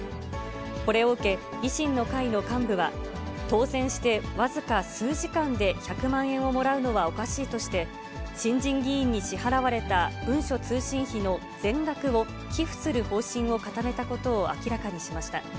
これを受け、維新の会の幹部は、当選して僅か数時間で１００万円をもらうのはおかしいとして、新人議員に支払われた文書通信費の全額を寄付する方針を固めたことを明らかにしました。